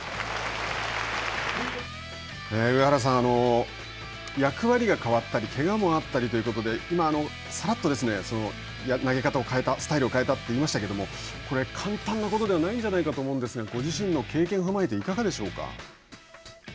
上原さん役割が変わったりけがもあったりということでさらっと投げ方を変えたスタイルを変えたって言いましたけれどもこれ、簡単なことではないんじゃないかと思うんですがご自身の経験を踏まえていかがでしょうか。